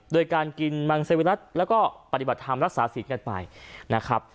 โดยการกินมังเซวิรัติแล้วก็ปฏิบัติธรรมรักษาศีลกันไปนะครับ